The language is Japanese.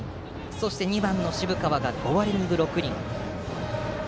そして２番の渋川が５割２分６厘。